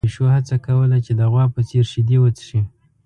پيشو هڅه کوله چې د غوا په څېر شیدې وڅښي.